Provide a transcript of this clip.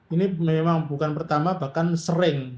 ini memang bukan pertama bahkan sering